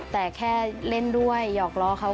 แต่แค่เล่นด้วยหยอกล้อเขา